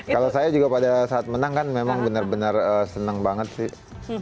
kalau saya juga pada saat menang kan memang benar benar senang banget sih